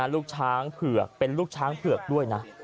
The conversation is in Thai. ลูกช้างเผือกเป็นลูกช้างเผือกด้วยนะ